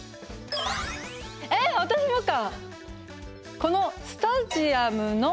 えっ私もか！